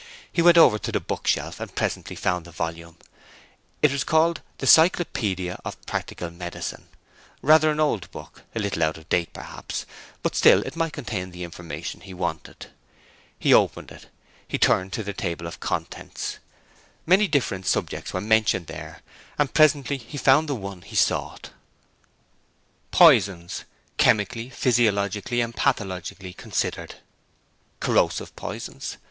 He went over to the book shelf and presently found the volume; it was called The Cyclopedia of Practical Medicine, rather an old book, a little out of date, perhaps, but still it might contain the information he wanted. Opening it, he turned to the table of contents. Many different subjects were mentioned there and presently he found the one he sought: Poisons: chemically, physiologically and pathologically considered. Corrosive Poisons.